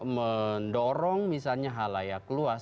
mendorong misalnya halayak luas